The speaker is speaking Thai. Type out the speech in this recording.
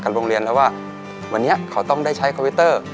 โรงเรียนแล้วว่าวันนี้เขาต้องได้ใช้คอมพิวเตอร์